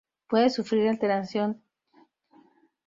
Puede sufrir alteración transformándose en limonita.